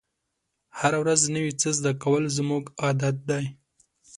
هره ورځ نوی څه زده کول زموږ عادت دی.